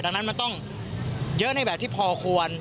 ดังนั้นมันต้องเยอะในแบบที่พอควร